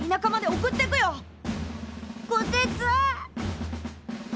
こてつ！